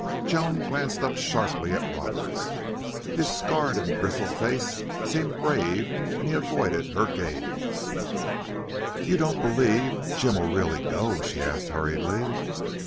Joan glanced up sharply at Roberts. His scarred and grizzled face seemed grave and he avoided her gaze. "You don't believe Jim'll really go?" she asked, hurriedly.